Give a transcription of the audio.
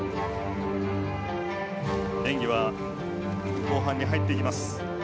演技は後半に入っていきます。